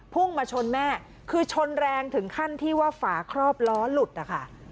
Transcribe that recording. พุ่งมาชนแม่คือชนแรงถึงขั้นที่ว่าฝาครอบล้อหลุดนะคะ